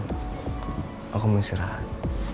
atau kamu istirahat